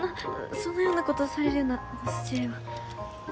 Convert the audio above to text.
そのようなことされるような筋合いは。